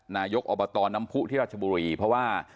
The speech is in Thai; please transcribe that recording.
นายกอบตน้ำผู้ที่ราชบุรีเพราะว่า